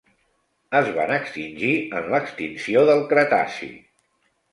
Es van extingir en l'extinció del Cretaci.